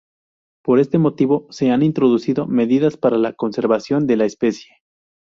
Por este motivo, se han introducido medidas para la conservación de la especie.